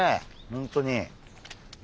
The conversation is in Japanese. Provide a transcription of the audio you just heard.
本当に。